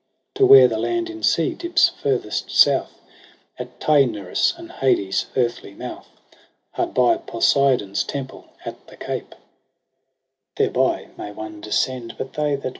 To where the land in sea dips furthest South At Taenarus and Hades' earthly mouth. Hard by Poseidon's temple at the cape. i5>8 EROS 6 PSYCHE ' Show me the way.'